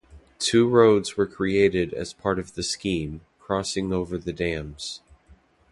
Two roads were created as part of the scheme, crossing over the dams.